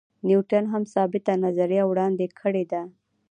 نیوټن هم ثابته نظریه وړاندې کړې ده.